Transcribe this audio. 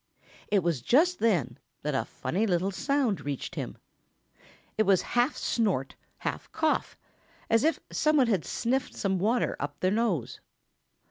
It was just then that a funny little sound reached him. It was half snort, half cough, as if some one had sniffed some water up his nose.